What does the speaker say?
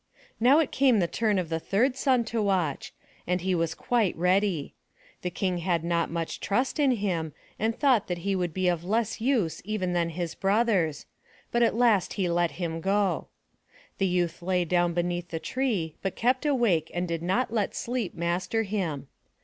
Now it came to the turn of the third son to watch; and he was quite ready. The King had not much trust in him and thought that he would be of less use even than his brothers, but at last he let him go. The youth lay down beneath the tree, but kept awake and did not let sleep master him.